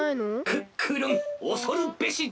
クックルンおそるべしじゃ。